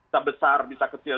sebesar bisa kecil